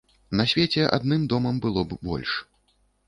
На свеце адным домам было б больш.